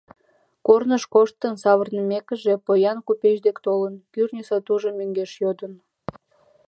Корныш коштын савырнымекыже, поян купеч деке толын, кӱртньӧ сатужым мӧҥгеш йодын.